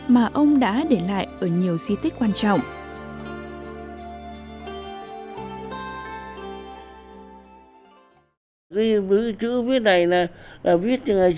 mà ông đã để lại